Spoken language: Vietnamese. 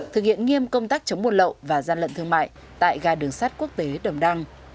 thực hiện nghiêm công tác chống buôn lậu và gian lận thương mại tại ga đường sát quốc tế đồng đăng